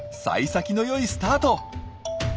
さい先のよいスタート！